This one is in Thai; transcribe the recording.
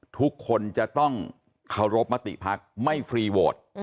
ทุกคนจะต้องเคารพมติภักดิ์ไม่ฟรีโหวต